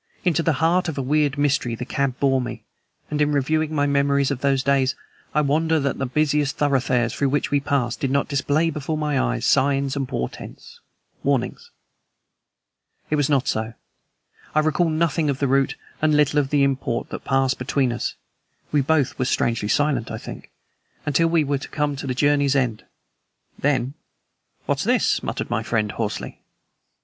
Into the heart of a weird mystery the cab bore me; and in reviewing my memories of those days I wonder that the busy thoroughfares through which we passed did not display before my eyes signs and portents warnings. It was not so. I recall nothing of the route and little of import that passed between us (we both were strangely silent, I think) until we were come to our journey's end. Then: "What's this?" muttered my friend hoarsely.